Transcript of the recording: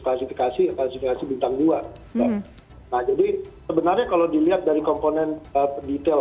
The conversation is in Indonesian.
klasifikasi klasifikasi bintang dua nah jadi sebenarnya kalau dilihat dari komponen detail